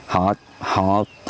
họ đi xe họ đi xe